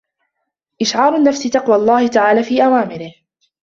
إشْعَارُ النَّفْسِ تَقْوَى اللَّهِ تَعَالَى فِي أَوَامِرِهِ